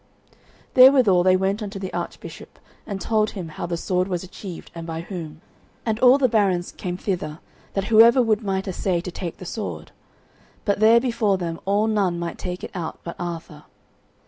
Therewithal they went unto the Archbishop and told him how the sword was achieved, and by whom. And all the barons came thither, that whoever would might assay to take the sword. But there before them all none might take it out but Arthur.